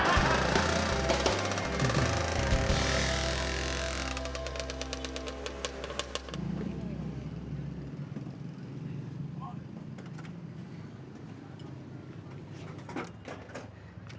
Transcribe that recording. kalau begitu mendingan ikut aja